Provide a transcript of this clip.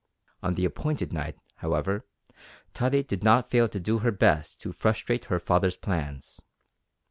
On the appointed night, however, Tottie did not fail to do her best to frustrate her father's plans.